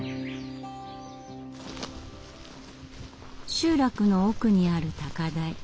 集落の奥にある高台。